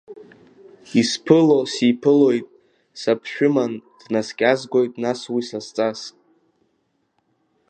Исԥыло сиԥылоит саԥшәыман, днаскьазгоит нас уи сасҵас.